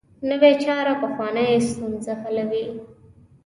نوې چاره پخوانۍ ستونزه حلوي